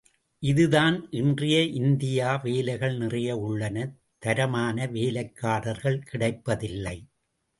இதுதான் இன்றைய இந்தியா வேலைகள் நிறைய உள்ளன, தரமான வேலைக்காரர்கள் கிடைப்பதில்லை.